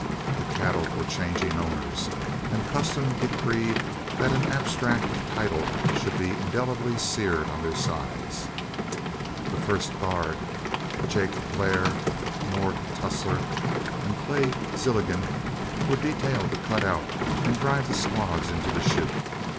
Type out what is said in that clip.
The cattle were changing owners, and custom decreed that an abstract of title should be indelibly seared on their sides. The first guard, Jake Blair, Morg Tussler, and Clay Zilligan, were detailed to cut and drive the squads into the chute.